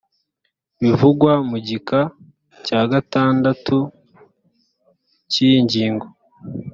bivugwa mu gika cya gatandatu cy’iyi ngingo